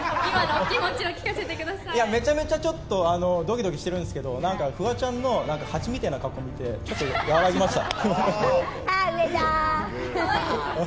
めちゃめちゃドキドキしてるんですけど、フワちゃんのハチみたいな格好を見て、ちょっと和らぎました。